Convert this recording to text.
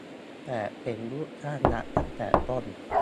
แต่เป็น "ลูกจ้างรัฐ" ตั้งแต่ต้น